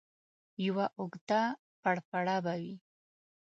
یوه اوږده پړپړه به وي.